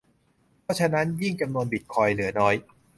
เพราะฉะนั้นยิ่งจำนวนบิตคอยน์เหลือน้อย